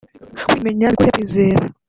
kwimenya biguhe kwizera“